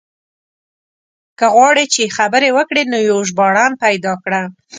که غواړې چې خبرې وکړو نو يو ژباړن پيدا کړه.